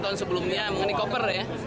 tahun sebelumnya mengenai koper ya